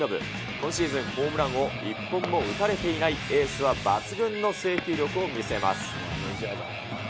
今シーズン、ホームランを１本も打たれていないエースは抜群の制球力を見せます。